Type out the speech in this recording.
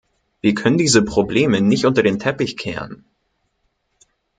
Wir können diese Probleme nicht unter den Teppich kehren!